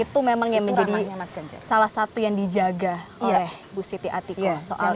itu memang yang menjadi salah satu yang dijaga oleh bu siti atiko